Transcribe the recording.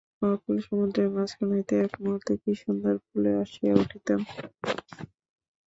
অকূল সমুদ্রের মাঝখান হইতে এক মুহূর্তে কী সুন্দর কূলে আসিয়া উঠিতাম।